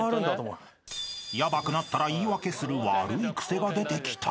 ［ヤバくなったら言い訳する悪い癖が出てきた］